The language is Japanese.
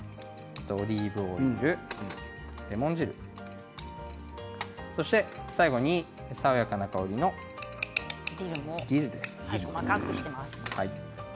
オリーブオイル、レモン汁そして最後に爽やかな香りのディルです。